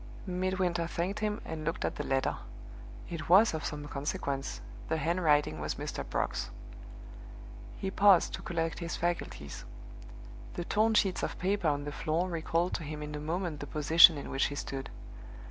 Midwinter thanked him, and looked at the letter. It was of some consequence the handwriting was Mr. Brock's. He paused to collect his faculties. The torn sheets of paper on the floor recalled to him in a moment the position in which he stood.